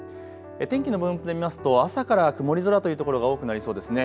天気の分布で見ますと朝から曇り空というところが多くなりそうですね。